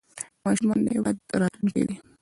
ماشومان د هېواد راتلونکی دی